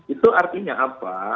itu artinya apa